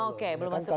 oke belum masuk ke sana